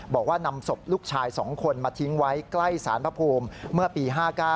บอกว่านำศพลูกชาย๒คนมาทิ้งไว้ใกล้สารพระภูมิเมื่อปี๕๙